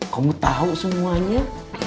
kamu tau semuanya